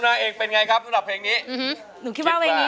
น้าเอกเป็นยังไงครับของเพลงนี้